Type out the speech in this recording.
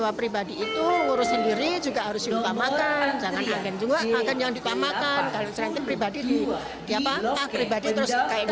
ah pribadi terus kayak dicuakin ya jangan gitu